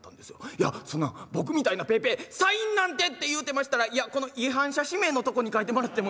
「いやっそんな僕みたいなペーペーサインなんて」って言うてましたら「いやこの違反者氏名のとこに書いてもらってもいいですか」。